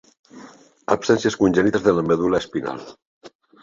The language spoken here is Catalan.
Absències congènites de la medul·la espinal.